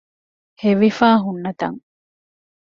ހެވިފައި ހުންނަ ތަން